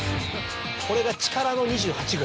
これが力の２８号。